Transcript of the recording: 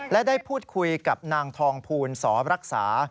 และได้พูดคุยกับนางทองภูลสอรักษา